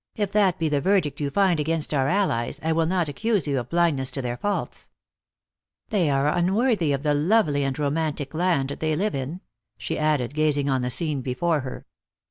" If that be the verdict you find against our allies, I will not accuse you of blindness to their faults. They arc un worthy of the lovely and romantic land they live in," THE ACTRESS IN" HIGH LIFE. 279 she added, gazing on the scene before her.